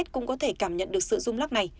cũng có thể cảm nhận được sự dùng